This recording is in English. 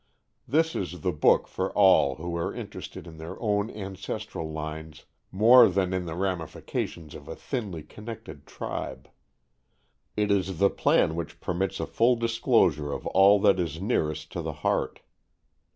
This is the book for all who are interested in their own ancestral lines more than in the ramifications of a thinly connected tribe. It is the plan which permits a full discourse of all that is nearest to the heart.